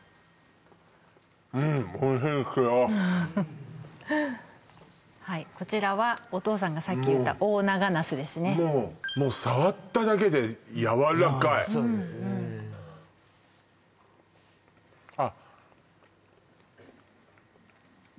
うんおいしいですよはいこちらはお義父さんがさっき言った大長なすですねもうもう触っただけでやわらかいそうですねあっ